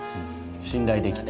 信頼できた？